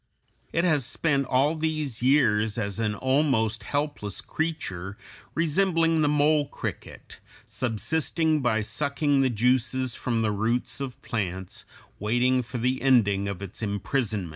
It has spent all these years as an almost helpless creature, resembling the mole cricket, subsisting by sucking the juices from the roots of plants, waiting for the ending of its imprisonment.